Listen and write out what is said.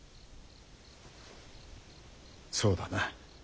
そうだな。